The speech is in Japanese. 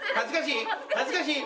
恥ずかしい。